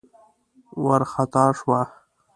وار خطا شوه.